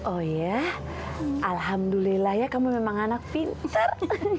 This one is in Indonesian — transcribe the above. oh ya alhamdulillah ya kamu memang anak pintar